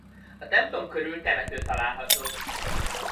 A templom körül temető található.